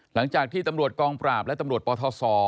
หลังจากที่ตำรวจกองปราบและตำรวจปทศ